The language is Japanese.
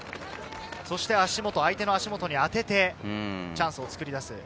相手の足元に当てて、チャンスを作り出す。